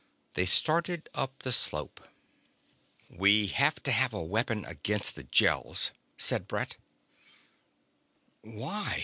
They started up the slope. "We have to have a weapon against the Gels," said Brett. "Why?